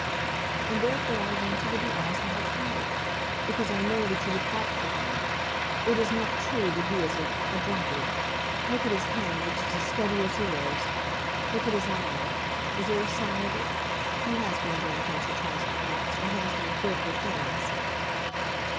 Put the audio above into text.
"And therefore I want you to be Oswald's wife; because I know that you would fight for him. It is not true that he is a drunkard. Look at his hand, which is as steady as yours. Look at his eye. Is there a sign of it? He has been drunk, once or twice, perhaps, and has done fearful things."